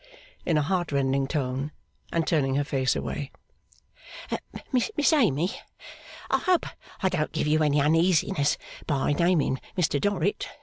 in a heartrending tone, and turning her face away. 'Miss Amy, I hope I don't give you any uneasiness by naming Mr Dorrit.